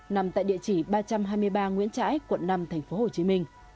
nằm tại địa chỉ ba trăm hai mươi ba nguyễn trãi quận năm tp hcm